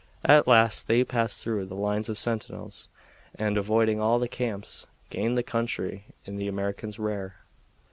At last they passed through the line of sentinels, and, avoiding all the camps, gained the country in the Americans' rear.